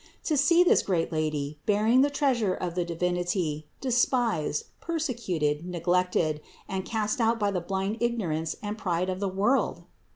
To see this great Lady, bearing the treasure of the Divinity, despised, persecuted, neglected, and cast out by the blind ignorance and pride of the world